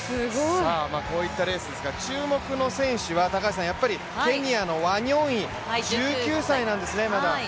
こういったレースですが注目の選手は、やっぱりケニアのワニョンイ１９歳なんですね、まだ。